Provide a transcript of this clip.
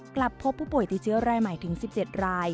กลับพบผู้ป่วยติดเชื้อรายใหม่ถึง๑๗ราย